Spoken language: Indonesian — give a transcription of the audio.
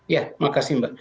ya makasih mbak